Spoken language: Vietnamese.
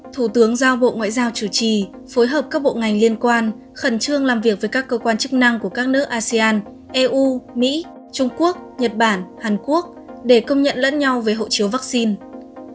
thủ tướng giao bộ ngoại giao chủ trì phối hợp các bộ ngành liên quan khẩn trương làm việc với các cơ quan chức năng của các nước asean eu mỹ trung quốc nhật bản hàn quốc để công nhận lẫn nhau về hộ chiếu vaccine